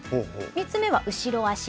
３つ目は後ろあし。